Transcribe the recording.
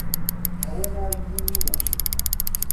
ئەوە ناوی من نییە.